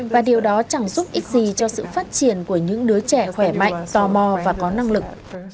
và điều đó chẳng giúp ích gì cho sự phát triển của những đứa trẻ khỏe mạnh tò mò và có năng lực